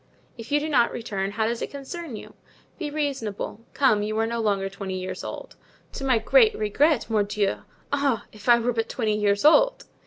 "If you do not return, how does it concern you? Be reasonable. Come, you are no longer twenty years old." "To my great regret, mordieu! Ah, if I were but twenty years old!"